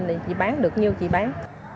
để chị bán được nhiêu chị bán